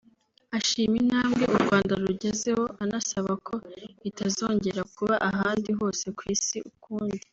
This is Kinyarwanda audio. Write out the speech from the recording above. ashima intambwe u Rwanda rugezeho anasaba ko itazongera kuba ahandi hose ku Isi ukundi